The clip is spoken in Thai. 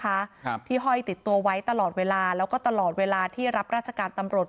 ครับที่ห้อยติดตัวไว้ตลอดเวลาแล้วก็ตลอดเวลาที่รับราชการตำรวจ